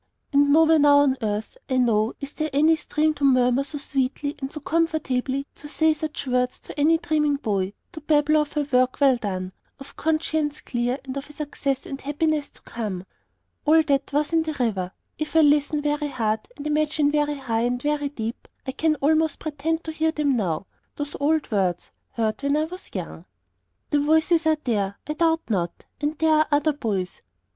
And nowhere now on earth, I know, is there any stream to murmur so sweetly and so comfortably, to say such words to any dreaming boy, to babble of a work well done, of conscience clear and of a success and happiness to come. All that was in the river. If I listen very hard, and imagine very high and very deep, I can almost pretend to hear them now, those old words, heard when I was young. The voices are there, I doubt not, and there are other boys.